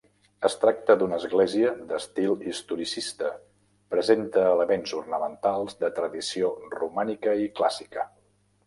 Es tracta d'una església d'estil historicista, presenta elements ornamentals de tradició romànica i clàssica.